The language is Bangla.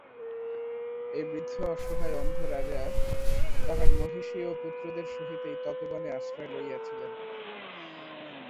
এই বৃদ্ধ অসহায় অন্ধ রাজা তাঁহার মহিষী ও পুত্রদের সহিত এই তপোবনে আশ্রয় লইয়াছিলেন।